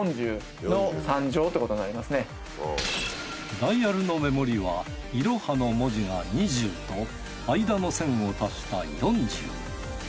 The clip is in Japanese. ダイヤルの目盛りはイロハの文字が２０と間の線を足した４０。